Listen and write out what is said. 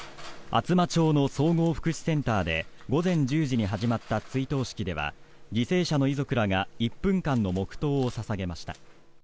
厚真町の総合福祉センターで午前１０時に始まった追悼式では犠牲者の遺族らが１分間の黙祷を捧げました。